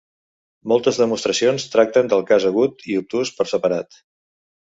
Moltes demostracions tracten el cas agut i obtús per separat.